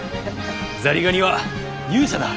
ザリガニは勇者だ。